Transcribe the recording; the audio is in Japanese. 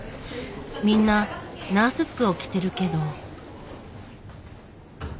みんなナース服を着てるけど。